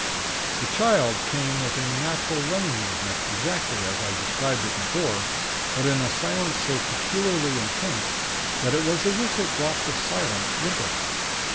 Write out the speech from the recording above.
"The Child came with a natural running movement, exactly as I described it before; but in a silence so peculiarly intense, that it was as if it brought the silence with it.